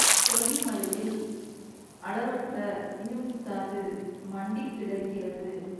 கொல்லி மலையில் அளவற்ற இரும்புத்தாது மண்டிக்கிடக்கிறது.